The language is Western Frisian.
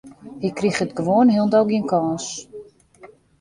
Hy kriget gewoan hielendal gjin kâns.